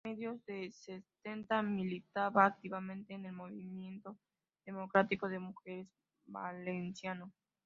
A medios en setenta militaba activamente en el Movimiento Democrático de Mujeres valenciano.